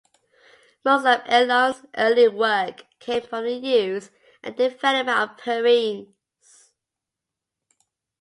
Most of Elion's early work came from the use and development of purines.